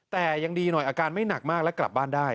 แต่ยังดีหน่อยอาการไม่หนักมากและกลับบ้านได้